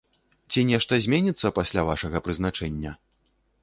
Ці нешта зменіцца пасля вашага прызначэння?